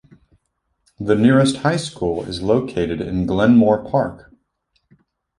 The nearest high school is located in Glenmore Park.